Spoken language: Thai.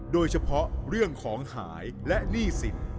โดยเฉพาะเรื่องของหายและหนี้สิน